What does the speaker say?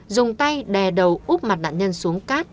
dùng tay đè đầu úp mặt nạn nhân xuống cát